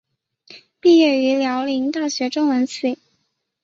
毕业于辽宁大学中文系。